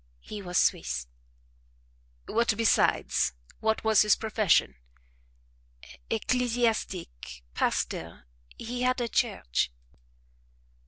"He was Swiss." "What besides? What was his profession?" "Ecclesiastic pastor he had a church."